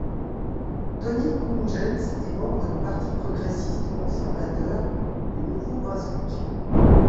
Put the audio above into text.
Tony Huntjens est membre du Parti progressiste-conservateur du Nouveau-Brunswick.